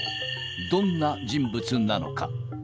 どんな人物なのか。